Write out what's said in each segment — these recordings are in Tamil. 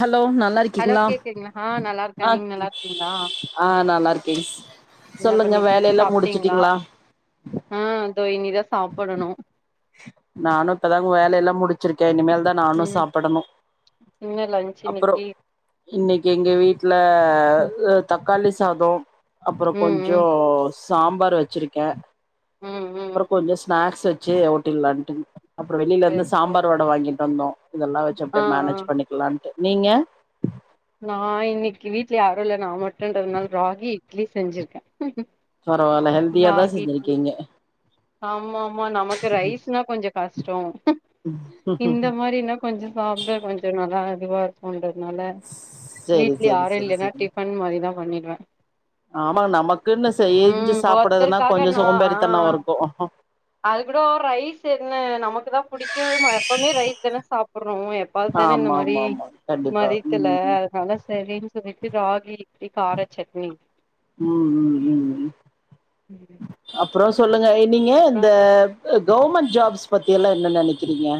ஹலோ நல்லா ஹலோ இருக்கீங்களா கேக்குதுங்களா ஆ நல்லா இருக்கே அஹ் நீங்க நல்லா இருக்கீங்களா ஆஹ் நல்லா இருக்கேங்கஸ் என்ன சொல்லுங்க பண்ணிட்டு இரு வேலைலாம் சாப்ட்டீங்களா முடிச்சுட்டீங்களா சாப்படணும் நானும் இப்பதாங்க வேலை எல்லாம் முடிச்சிருக்கேன் இனிமேல்தான் நானும் ம் சாப்பிடணும் என்ன லன்ச் அப்புறம் இன்னைக்கு இன்னைக்கு எங்க வீட்டல ம் தக்கு தக்காளி சாதம் அப்புறம் ம் ம் கொஞ்சம் சாம்பார் வச்சிருக்கேன் ம் ம். அப்புறம் கொஞ்சம் ஸ்நாக்ஸ் வச்சு ஜ அ ஆப்டில்லாண்ட அப்புறம் வெளியில சரி வந்து சரி சாம்பார் வடை வாங்கிட்டு வந்தோம் இதெல்லாம் வச்சு ஆ அப்டியே ஆ மேனேஜ் பண்ணிக்கலானு நீங்க நான் இன்னைக்கு வீட்ல யாரும் இல்லலை நான் மட் இரண்டு ஒரு நாள் ராகி இட்லி செஞ்சிருக்கேன் பரவாயில்ல ஹெல்தியாதான் இட்லி செஞ்சிருக்கீங்க ஆமா ஆமா நமக்கு ரைஸ்னா கொஞ்ச கஷ்டம் இந்த மாரினா கொஞ்சம் சாப்புடுவே கொஞ்சம் நல்லா இரு இவ அக்கோண்டு அதனால சேரி வீட்லய சேரி யாரும் சேரி இல்லைன்னா சேரி டிஃபன் மாரிதான் பண்ணிருவேன் ஆமாங்க நமக்குனு செயிஞ்சு ம் சாப்பிடதுனா ஒருத்தருக்காக கொஞ்சம் நா ஆ சோம்பேறிதனோம்இருக்கும் அது கூட ரைஸ் என்ன நமக்கு தான் புடிக்கவே எப்பவுமே ரைஸ் தானே சாப்படுறோம் எப்பாவது தானே இந்த ஆமா மாரி ஆமா ஆமா கண்டிப்பா மதித்துல ம் அதனால சேரின் இதவிட்டு ராகி இட்லி காரச்சட்னி ம் ம் ம் அப்புறோ சொல்லுங்க நீங்க இந்த கவர்மெண்ட் ஜாப்ஸ் பத்தி எல்லாம் என்ன நெனைக்கிறீங்க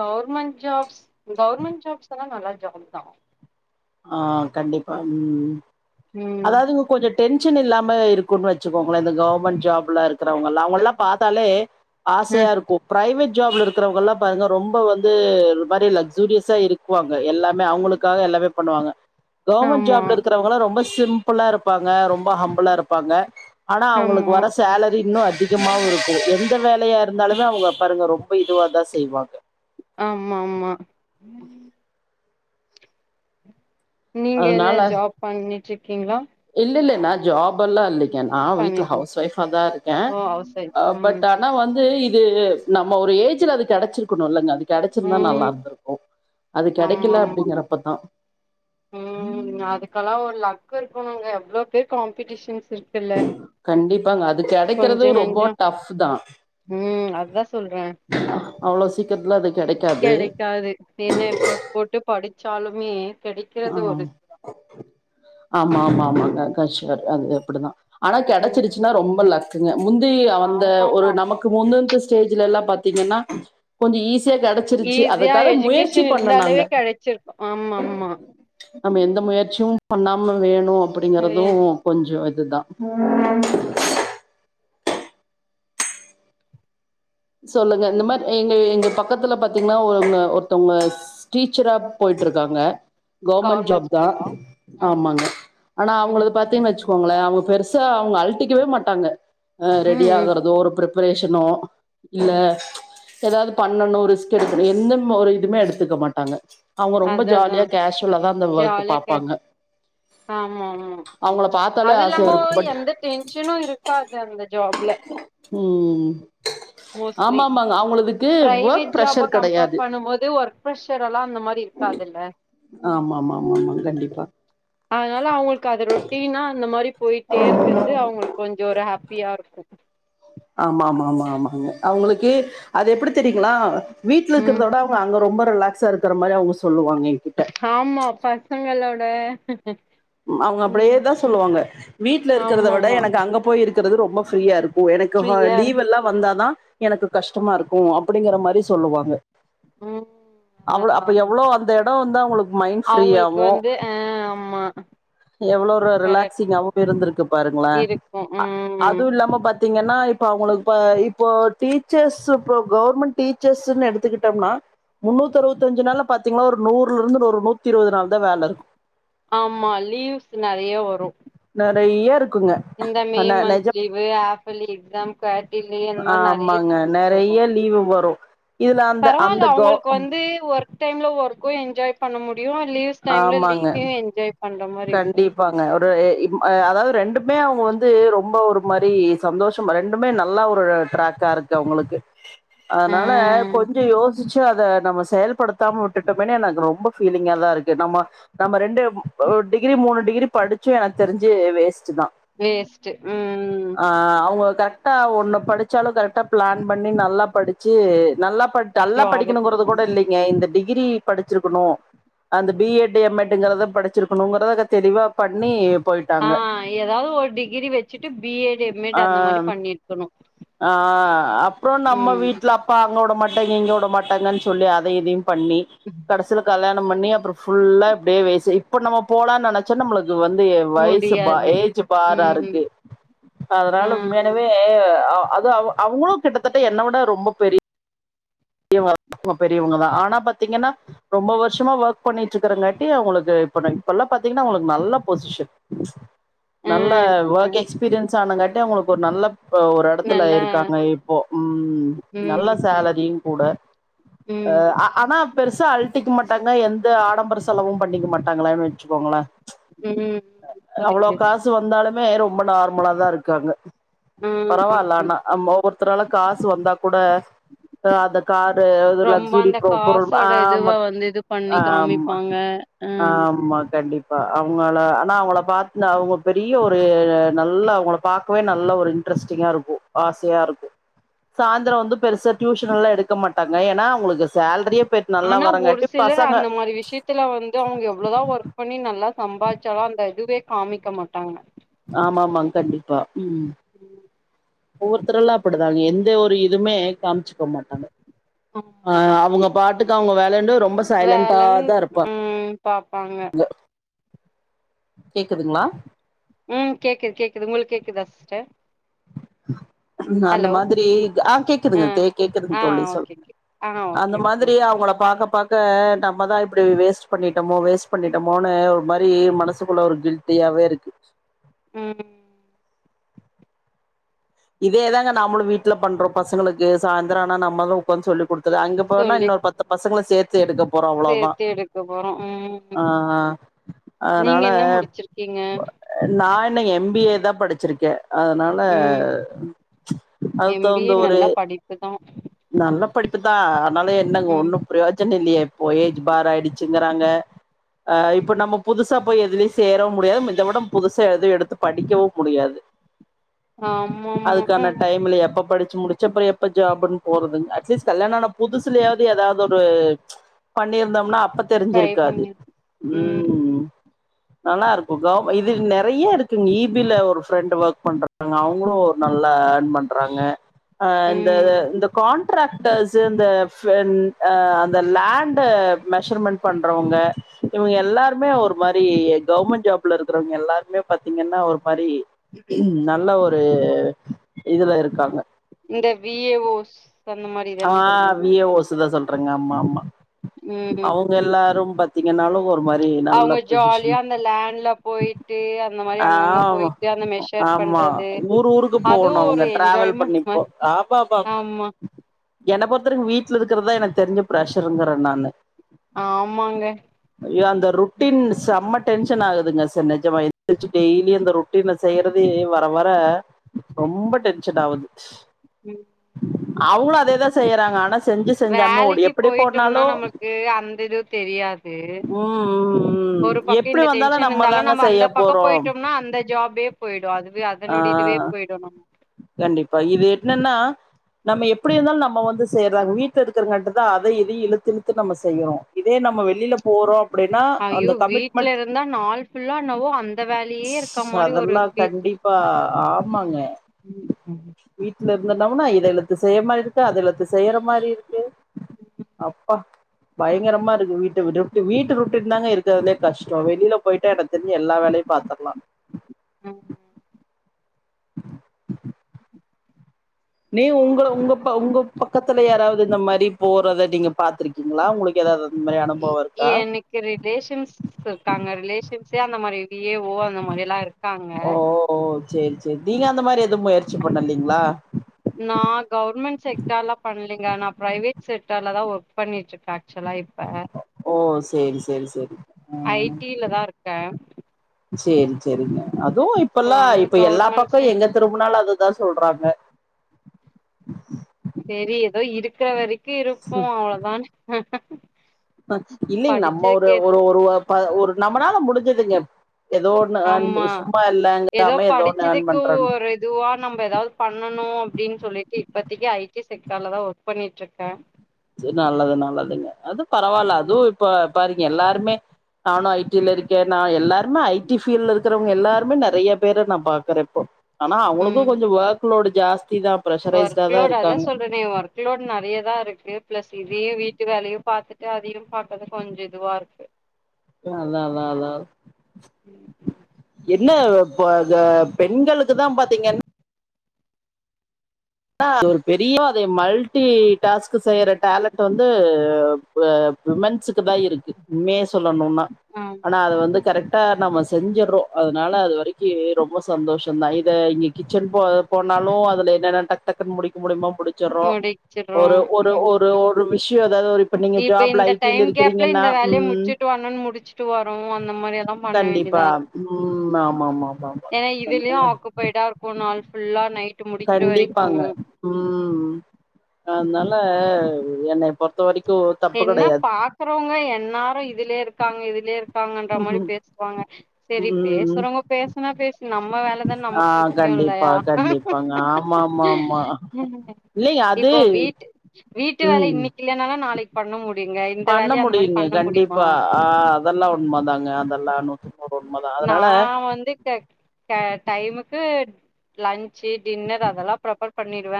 கவர்மென்ட் ஜாப்ஸ் கவர்மெண்ட் ஜாப்ஸ் எல்லாம் நல்லது [unintelligible] ஆஹ் கண்டிப்பா உம் ம் அதாவது இங்க கொஞ்ச டென் டென்ஷன் இல்லாம இருக் வச்சுக்கோங்கள இந்த கவர்மெண்ட் ஜாப் லாம் இருக்கிறவங் ல்ல அவங்க எல்லாம் பாத்தாலே அ ஆசையா இருக்கும் பிரைவேட் ஜாப்ல இருக்கிறவங்க எல்லாம் பாருங்க ரொம்ப வந்து ஒரு மாரி லக் சூரியஸா இருக்குவாங்க எல்லாமே அவங்களுக்காக எல்லாமே பண்ணுவாங்க கவர்மெண்ட் ஆமா ஜாப்ல இருக்கிறவங்காம் ரொம்ப சிம்பிளா இருப்பாங்க ரொம்ப ஹம்பிளா இருப்பாங்க ஆனா ஆமா அவங்களுக்கு வர சேலரி இன்னும் அதிக மாவும் இருக்கும் எந்த வேல இருந்தாலமே அவங்க பாருங்க ரொ ப்ப இதுவாதான் செய்வாங்க ஆமா ஆமா நீங்க என்ன அதனால ஜாப் பண்ணிட்டு இருக் ஓகேங்களா நான் ஜாபெல்லாம் இல்ல நான் வீட்ல ஹவுஸ் ஒய்ஃபாதான் இருக்கேன் ஓ ஹவுஸ் ஒய்ஃப் ம் பட் ஆனா வந்து இது நம்ம ஒரு ஏஜ்லா அது கெடைச்சிருக்கு க்கனுலங்க அது கெடைச்சுருந்தா ம் நல்லா இருந்திருக்கும் அது ஆமா கெடைக்கல ஆமா அப்படிங்கறப்பதான் இருக்கனுங்க எவ்வளோ பேர் காம்பிடிஷன்ஸ் கண்டிப்பாங்க அது கெடைக்கிறது கொஞ்ச ரொம்ப நஞ்சோ டப் தான் ம் அதா சொல்றே அவ்ளவு சீக்கிரத்துல அதுக்கு கெடைக்காது என்ன எஃபோர்ட் போட்டு படிச்சாலுமே கெடைக்கிறது ஆமா ஒரு ஆமா ஆமாங்க கஷ் அது அப்புடிதான் ஆனா ம் கிடைச்சிச்சுன்னா ரொம்ப லக் திங்க முந்திரி அந்த ஒரு ஆமாமா நமக்கு முந்தந்து ஸ்டேஜ்ல எல்லாம் பாத்தீங்கன்னா கொஞ்சம் ஈஸி ஈஸியா எஜுகேஷன் பண்ணோம் இருந்தாலே நாங்க. கிடைச்சிருக்கும் ஆமா ஆமா நம்ம எந்த முயற்சியும் பண்ணாம வேணும் அப்படிங்கறதும் ஏன்? கொஞ்ச அதுதான் உஹம் ம், சொல்லுங்க இந்த ஆமா மாரி எங்க எங்க பக்கத்துல பாத்தீங்கன்னா ஒருவங்க ஒருத்தவங்க டிச்சரா போயிட்டு இருக்காங்க கவர்மெண்ட் ஜாப் தான் ம் ஆமாங்க ஆனா ம் அவங்களது பாத்தீங்கு வச்சுக்கோங்களே அவங்க பெருச அவங்க அல்ட்டிக்கவே மாட்டாங்க ரெடி ம் ம் ஆகுறதோ ஒரு பிரப் ஆப்ரேஷ்னோ இல்ல ஏதாவது பண்ணணும் ரிஸ்க் எடுக்கணும் எந்த ஒரு இதுமே எடுத்துக்க மாட்டாங்க அவங்க ரொம்ப ஜாலியா அததான் கேஷுவலா தா அந்த ஒர்க் ஜாலிய கே பாப்பாங்க ஆமா ஆமா அவங்கள பாத்தாலே அது ஆசையா இல்லாம இருக்கு பட் எந்த டென்ஷனும் இருக்காது அந்த ஜாப்ல உம் மோஸ்ட்லி ஒர்க் பிரைவேட் ஜாப்பா ப்ரெஷர் கம்பேர் கெடையாது பண்ணும் போது ஒர்க் ப்ஷர் எல்லாம் அந்த மாரி மாரி இருக்காதுல்ல ஆமா ஆமா ஆமா ஆமா கண்டிப்பா அதனால அவங்களுக்கு அத ரொட்டினா அந்த மாரி போயிட்டே இருக்கறது அவங்களுக்கு கொஞ்சம் ஒரு ஹா பியா இருக்கும் ஆமா ஆமா ஆமா ஆமாங்க அவங்களுக்கு அது எப்டி தெரியுங்களா வீட்டுல இருக்கிறத ம் விட அவங்க ரொம்ப ரிலாக்ஸ்ஸ இருக்க மாரி அவங்க சொல்லுவங்க ஆமா பசங்களே டா அவங்க அப்படியே தான் சொல்லுவாங்க வீட்டு்ல இருக்கிறத விட ஆமாமா எனக்கு அங்க போய் இருக் குறது ரொம்ப பிரியா இருக்கும் எனக்குஹ ஃப்ரீயா லீவ் இருக்கு எல்லாம் வந்தாதான் எனக்கு கஷ்டமா இருக்கும் அப்படிங்கிற மாரி சொல்லுவாங்க ம் அவ்வளோ அததா அப்ப எவ்வளோ அந்த இடத் பண வந்தா உங்களுக்கு அவங்களுக்கு வந்து ஆஹ் ஆமா எவ்வளவு ஒரு கரெக்ட் ரிலாக்சிங்காவும் இருந்திருக்கு பாருங்களே இருக்கு ம் அதுவும் இல்லாம பாத்தீங்கன்னா இப்ப அவங்களுக்கு இப் இப்போ டீச்சர்ஸ் இப்போ கவர்மெண்ட் டீச்சர்ஸ்ன்னு எடுத்துக்கிட்டோம்னா முன்னூத்தி அறுபத்தஞ்சு நாள்ல பார்த்தீங்கன்னா ஒரு நூர்ல இருந்து ஒரு நூத்தி இருபது நாள் தான் வேலை இருக்கும் ஆமா லீவ்ஸ் நிறைய வரும் நிறைய இருக் இந்த மே மந்த் லீவு ஆப் பிலி எக்ஸாம் பேட் ஆமாங்க நிறைய லீவு வரும் பரவாயில்ல அவங்களுக்கு வந்து ஒர்க் டைம்ல ஒர்க் என்ஜாய் பண்ண முடி யும் லீவ்ஸ் டைம்ல ஆமாங்க லீவ என்ஜாய் பண்ற மாரி இருக்கு கண்டிப்பாங்க ஒரு ஆஹ் அதாவது ரெண்டு மே அவங்க வந்து ரொம்ப ஒரு மாரி சந்தோஷம் ரெண்டுமே நல்லா ஒரு டிரக்கா இருக்கு அவங்களுக்கு ஆ அதனால கொஞ்ச யோசி மிச்ச அத நம்ம செயல்படுத்தாம விட்டுட்டோமேனே எனக்கு ரொம்ப பீலிங்க தான் இருக்கு நம்ம நம்ம ரெண்டு ஒரு டிகிரி மூணு டிகிரி படிச்சும் எனக்கு தெரிஞ்சு வேஸ் வேஸ்ட் உம் கரெக்டா ஒன்னு படிச்சாலும் கரெக்டா பிளான் பண்ணி நல்லா படிச்சு நல்லா நல்லா ஜாபு படிக்கணுங்கிறது கூட இல்லைங்க இந்த டிகிரி படிச்சிருக்கணும் அந்த பி எட் எம் எட் ங்கிறத படிச்சிருக்க இருக்கணுங்கறத தெளிவா பண்ணி போயிட்டாங்க. ஆஹ் ஏதாவது ஒரு டிகிரி வச்சுட்டு பி எட் எம் எட் அந்த மாரி பண்ணிருக்கணும் ஆஹ் அப்பறம் நம்ம வீட்டுல அப்பா அங்கவுடமட் இங்க வுடமாட்ட கட்டங்கன்னு சொல்லி அத இதையும் பண்ணி கடைசியல கல்யாண பண்ணி அப்பறம் புல்லா இப்படி வெசி இப்ப நம்ம போலாம்னு நினைச்சா நம்மளுக்கு அது வந்து வயசு பா முடியாது ஏஜ் பாரா ம் இருக்கு ஆ அதனால உண்மையானவே அது அவ அவங்களும் கிட்டத்தட்ட என்ன விட ரொம்ப பெ பெரியவங்கதான் ஆனா பாத்தீங்கன்னா ரொம்ப வருஷமா ஒர்க் பண்ணிட்டு இருக்கறங்காட்டி அவங்களுக்கு இப்ப இப்ப எல்லாம் பாத்தீங்கன்னா அவங்களுக்கு நல்ல பொசிஷன் ஆ நல்ல ஆ வொர்க் எக்ஸ்பீரியன்ஸ் ங்கட்ட அவங்களுக்கு ஒரு நல்ல ல நல்லா இருக்காங்க இப்போ உம் நல்ல ம் சேலரியும் கூட ம் ஆனா பெருசா அழட்டிக்க மாட்டாங்க எந்த ஆடம்பர செலவும் பண்ணிக்க மாட்டாங்களானு வச்சுக்கோங்களேன் ம் அவ்வளோ புரியுது காசு வந்தாலும் ப்ப ரொம்ப நார்மலா தான் இருக்காங்க உம் பரவாயில்ல உம் ஆமா ஒருத்தரால காசு வந்தா கூட அ அந்த கார்டு இந்த ரொம்ப லக்ஸ்ஸுரி அந்த பொருள் காசோட இதுவ ஆமா வந்து இது பண்ணி ஆமா காமிப்பாங்க ஆ ஆமா கண்டிப்பா அவங்கள ஆனா அவுங்கள பாத் இல்ல அவங்க பெரிய ஒரு நல்லா அவங்கள பாக் க்கவே நல்ல ஒரு இன்டரெஸ்டிங்கா இருக்கும் ஆசையா இருக்கு சாயந்தரம் வந்து பெருசா டியூஷன் எல்லாம் எடுக்க மாட்டாங்க ஏன்னா அவங்களுக்கு சேல்ரியே ஆனா ஒரு சிலர் அந்த மாரி விஷயத்துல வந்து அவங்க எவ்வளோதான் ஒர்க் பண்ணி நல்லா சம்பாதிச்சாலும் அந்த இதுவே காமிக்க மாட்டாங்க ஆமாமா கண்டிப்பா உம் ஒவ்வொருத்தர் எல்லாம் அப்படிதாங்க எந்த ஒரு இதுவுமே காமிச்சு மாட்டாங்க ஆமா ஆ அவங்க பாட்டு இருக்க அவங்கவேலவுன்டு வேலன் உம் பாப்பாங்க கேக்குதுங்களா ம் கேக்குது கேக்குது உங்களுக்கு கேக்குதா சிஸ்டர் [inaudible] அந்த ஹலோ மாதிரி அஹ் ஆ கேக்குதுங்க கே கேக்குதுங்க ஆ தொழி ஓகே சொல்லுங்க ஓகே ஆ ஓகே அந்த ஓகே மாதிரி அவங்கள பாக்க பாக்க நம்மதான் இப்படி வேஸ்ட் பண்ணிட்டோமோ வேஸ்ட் பண்ணிட்டோமோன்னு ஒரு மாரி மனசுக்குள்ள ஒரு கில்ட்டியாவே இருக்கு உம் இதேதாங்க நாமலும் வீட்டுல பண்றோம் பசங்களுக்கு சாயந்ரம் ஆனா நம்மதான் உட்காந்து சொல்லி கொடுத் குரோம் அங்க போனா இன்னொரு பத்து பசங்க சேத்து எடுக்கத்து சேர்த்தே எடுக்க போறோம் உம் ஆ நீங்க அதனால என்ன முடிச்சிருக்கீங்க எம்பிஏ தா படிச்சிருக்கே அதனால ம் அதுக்கு தகுந்த ஒரு ஆ நல்ல படிப்புதா ஆனாலு என்னங்க ம் ஒன்னு பிரயோஜன இல்லியே ப்போ ஏஜ் பார் ஆயிடுச்சுங்கிறாங்க ஆஹ் இப்ப நம்ம புதுசா போய் எதுலயு சேரவு முடியாது இதவிட புதுசா எதுவு எடுத்து படிக்கவு முடியாது ஆமா ஆமா அதுக்கான ம் டைம்ல எப்ப படிச் சு முடிச்சு அப்றோ எப்ப ஜாப்னு போறதுங் அட்லீஸ்ட் கல்யாண ஆன புதுசிலயாவது ஏதாவது ஒரு பண்ணியிருந்தோம்னா அப் ப ட்ரை தெரிஞ்சிருக்காது பண்ணிருக் ம் உம் நல்லா இருக்கு கவர் இது நெறைய இருக்குங்க ஈ பி ல ஒரு ஃப்ரெண்ட் ஒர்க் பண்றாங்க அவங்களு ஒரு நல்லா அர்ன் பண்றாங்க அஹ் இந்த ம் இந்த கான்ட்ராக்டர்ஸு இந்த ஃபின் ஆ அந்த லேண்ட மெஷர்மெண்ட் பண்றவங்க இவங்க எல்லாருமே ஒரு மாரி கவர்மெண்ட் ஜாப்ல இருக்கறவங்க எல்லாருமே பாத்தீங்கன்னா ஒரு மாரி நல்ல ஒரு இதுல இருக்காங்க இந்த வி ஏ ஓஸ் அந்த மாரி ஆ தான சொல்றீங்க வி ஏ ஓ ஸ்தா சொல் றங்க ஆமா ஆமா ம் அவுங்க எல்லாரும் பாத்திங்கனாலு ஒரு மாரி நல்ல அவங்க பொசிஷன் ஜாலியா அந்த லேண்ட்ல போயிட்டு அந்த மாரி அங்கங்க ஆமா போயிட்டு அந்த மெஷர் ஆமா பண்றது ஊர் ஊருக்கு அதுவு போகணு ஒரு அவங்க டிராவல் என்ஜாய்மெண்ட் பண்ணி மாரி ஆமாம்மாமா ஆமா என்னை பொறுத்தவரையு வீட்ல இருக்குறதுதா எனக்கு தெரி்ஞ்சு பிரஷருங்கிறே நானு ஆமாங்க ய அந்த ரொட்டீன் செம்ம டென்ஷன் ஆகுதுங்க செ நெஜமா எந்திருச்சு டெய்லி அந்த ரொட்டீன செய்யறது வர வர ரொம்ப டென்ஷன் ஆவுது உம் அவங்களு அதே தா செய்யறாங்க ஆனா செஞ்சு செஞ்சாமே ஓடி வேலைக்கி எப்படி போயிட்டோம்னா போனாலு நமக்கு அந்த இது தெரியாது ம் ம் ம் ஒரு பக்கோ எப்படி இந்த வந்தாலு டென்ஷன் இருந்தாலு தாங்க நம்ம அந்த செய்ய பக்கோ போறோ போயிட்டோம்னா அந்த ஜாபே போயிடு அதுவே அது ஆ அதனோட இதுவே போயிடு நம்ம கண்டிப்பா இது என்னன்னா நம்ம எப்டி இருந்தாலு நம்ம வந்து செய்தாகணு வீட்ல இருக்கறங்காட்டுதா அதையு இதையு இழுத்து இழுத்து நம்ம செய்யறோ இதே நம்ம வெளியில போறோ அப்படின்னா ஐயோ அந்த வீட்ல கமிட்மெண்ட் இருந்தா நாள் ஃபுல்லா என்னவோ அந்த வேலையே இருக்க மாரி ஒரு அதெல்லா ஃபீல் கண்டிப்பா ஆமாங்க ம் ம். வீட்ல இருந்தனம்னா இத இழுத்து செய்ய மாரி இருக்கு அத இழுத்து செய்யற மாரி இருக்கு அப்பா பயங்கரமா இருக்கு வீட்ட விட்டு வீட்டு ரொட்டீன்தாங்க இருக்கிறதலயே கஷ்டோ வெளியில போயிட்டா எனக்கு தெரிஞ்சு எல்லா வேலையு பாத்தரலா [inaudible] நீ உங்கள உங்க ப உங்க பக்கத் துல யாராவது இந்த மாரி போறத நீங்க பாத்துருக்கீங்களா உங்களுக்கு ஏதாவது அந்த மாரி அனுபவோ இருக்கா எனக்கு ரிலேஷன்ஸ் இருக்காங்க ரிலேஷன் சேந்த மாரி வி ஏ ஓ அந்த மாரிலா இருக்காங்க ஓ சேரி சேரி நீங்க அந்த மாரி எதுவும் போய் நான் கவர்மெண்ட் செக்டர்லாம் பண்ணலிங்க நா பிரைவேட் செக்டர்ல தான் ஒர்க் பண்ணிட்டு இருக்கா ச்சலா இப்ப ஓ சேரி சேரி சேரி ஐ ஆஹ் டி ல தா இருக்கே சேரி சேரிங்க அதுவும் சோ இப்பல்லாம் அதனால இப்ப எல்லா கவர்மெண்ட் பக்கம் சைட் எங்க திரும்பனாலும் அது அதான் சொல்றாங்க சேரி ஏதோ இருக்கிற வரைக்கும் கி இருப்போம் அவ்ளதான் [inaudible] ஹ இல்லலைங்க நம்ம ஒரு ஒரு ஒரு ஒரு நம்மளால முடிஞ்சுதுங்க ஆமா ஏதோ ஒண்ணு ஏர்ன் படிச்சதுக்கு பண்றோன்னு ஒரு இதுவா நம்ப ஏதாவது பண்ணணும் அப்படின்னு சொல்லிட்டு இப்பத்திக்க ஐ டி செக்டர்லதான் ஒர்க் பண்ணிட்டு இருக்கேன் சேரி நல்லது நல்லதுங்க அது பரவாயில்ல அதுவும் இப்ப பாருங்க எல்லாருமே நானும் ஐ டில இருக்கேன் நான் எல்லாரு ஐ டி பீல்ட இருக் இருக்கிறவங்க எல்லாருமே நிறைய பேர நான் பாக்குற இப்போ ஆனா அவங்களுக்கும் ம் கொஞ்ச ஒர்க் லோட் ஜாஸ் ஒர்க் லோட் அதான் சொல்றேனே ஒர்க் லோட் நிறைய தான் இருக்கு பிளஸ் இதையும் வீட்டு வேலையையும் பார்த்துட்டு அதையும் பார்த்தது கொஞ்ச இதுவா இருக்கு அதான் அதான் அதான் அ என்ன இப்ப அத பெண்களுக்கு தான் பாத்தீங்கன்னா ஆ ஒரு பெரிய அத மல்டி டாஸ்க் ம் செய்யுற டேலண்ட் வந்து விமன்ஸுக்கு தான் இருக்கு சொல்லணும்னா ஆனா ஆமா அத வந்து கரெக்டா நம்ம செஞ்சீரோ அதனால அது வரைக்கி ரொம்ப சந்தோஷம் தான் இத இங்க கிச்சன் போ போனாலும் அதுல என்னென்ன டக் டக்குனு முடிக்க முடியுமா முடிச்சறோம் முடிச்சிர்றோ ஒரு ஒரு ஒரு ம் ஒரு விஷயம் அதாவது ஒரு நீங்க இப்ப ஜாப்ல இந்த ஐ டி ல டைம் கேப்ல இருக்கிறீங்கன்னா இந்த வேலய ம் முடிச்சுட்டு வரும்னு முடிச்சுட்டு வரும் அந்த மாரில்லாம் பண்ண கண்டிப்பா வேண்டியதா இருக்கு ம் ஆமாமாமாமா ஏன்னா இதுலயும் அதனால ஆக்குபைடா இருக்கும் நாள்புல்லா நைட் கண்டிப்பாங்க உம் அதனால என்னைய பொறுத்த வரைக்கும் என்ன பாக்குறவங்க எல்லாரும் இதுலயே இருக்காங்க இதுலயே இருக்க ப்பாங்கன்ற மாரி பேசுவாங்க சரி பேசுறவங்க பேசனா பேச ஆஹ் கண்டிப்பா கண்டிப்பாங்க ஆமாமாமா இல்லைங்க அது இப்போ வீட்டு வீட்டு வேல ம் இன்னிக்கில்லனாலு நாளைக் பண்ண முடியுங்க கண்டிப்பா ஆஹ் அதல்லா உண்ம தாங்க அதல்லா நூத்துக் நூர் நா வந்து ட டைமுக்கு லன்ச் சேர் டின்னர் அதெல்லா ப்ரப்பர் பண்ணிடுவ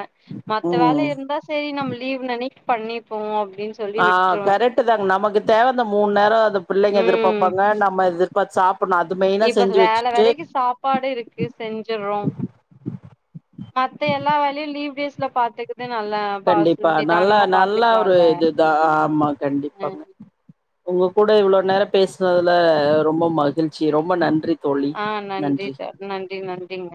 மத்த வேல ம் இருந்தா சேரி நம்ம லீவ் நெனை பண்ணிப்போ அப் ஆ கரெட் தாங்க நமக்குத் தேவ இந்த மூணு நேரம் அந்த பிள்ளங்க ம் எதிர்பாப்பாங்க நம்ம எதிர்பாத்து சாப்புட்ணு அது மெயினா இப்ப செஞ்சு வேல வச்சுட்டு வேலக்கி சாப்பாடு இருக்கு செஞ்சுறோ மத்த எல்லா வேலயு லீவ்டேஸ் ல பாத்திடு கண்டிப்பா நல்லா நல்லா ஒரு பாத்துக்கலால்ல இதுதாமா கண்டிப்பா உங்க கூட இவ்ள நேர பேஸ்னதுல ரொம்ப மகிழ்ச்சி ரொம்ப நன் ஆஹ் நன்றி ச நன்றி நன்றிங்க